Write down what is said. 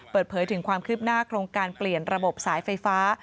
เปิดเผยถึงความคืบหน้าโครงการเปลี่ยนระบบสายไฟฟ้า